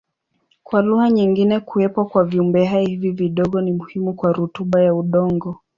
Kwa lugha nyingine kuwepo kwa viumbehai hivi vidogo ni muhimu kwa rutuba ya udongo.